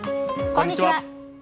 こんにちは。